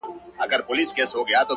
ستا سترگو كي بيا مرۍ.! مرۍ اوښكي.!